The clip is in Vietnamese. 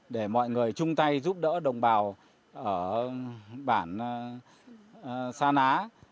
để mọi người chung tay giúp đỡ đồng bào ở bản sa ná